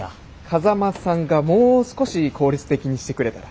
風間さんがもう少し効率的にしてくれたら。